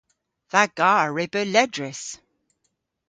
Dha garr re beu ledrys.